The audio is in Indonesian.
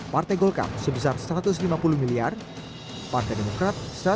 partai golkang sebesar satu ratus lima puluh miliar partai demokrat satu ratus lima puluh miliar